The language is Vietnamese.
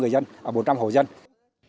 với hơn năm nhân khẩu đến năm nhân khẩu